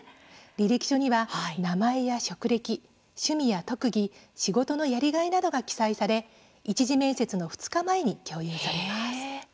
履歴書には名前や職歴、趣味や特技仕事のやりがいなどが記載され１次面接の２日前に共有されます。